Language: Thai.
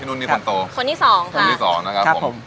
พี่นุ่นมีคนโตคนที่สองค่ะคนที่สองนะครับครับผม